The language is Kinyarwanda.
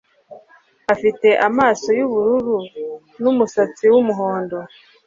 Afite amaso yubururu n umusatsi wumuhondo